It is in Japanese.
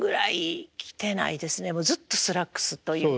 もうずっとスラックスというか。